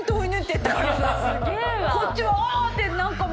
こっちも。